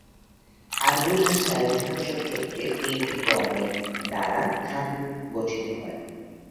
আরবি ভাষায় অধিকাংশ ক্ষেত্রে তিনটি বর্ণের দ্বারা ধাতু গঠিত হয়।